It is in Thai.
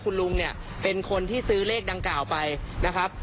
คุณลุงเนี่ยเป็นคนที่ซื้อเลขดังกล่าวไปนะครับ